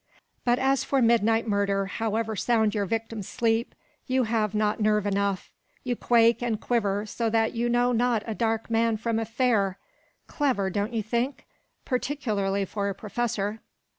But as for midnight murder, however sound your victims sleep, you have not nerve enough. You quake and quiver so that you know not a dark man from a fair. Clever, don't you think? Particularly for a Professor."